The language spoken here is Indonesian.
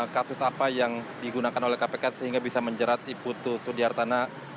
kasus apa yang digunakan oleh kpk sehingga bisa menjerat ibu putu sudiartan